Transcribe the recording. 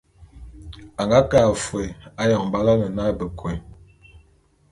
A nga ke a fôé ayon b'aloene na Bekôé.